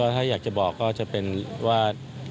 ถ้าอยากจะบอกก็จะเป็นว่า